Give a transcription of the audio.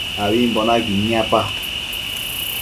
Ambimbo naquid niapa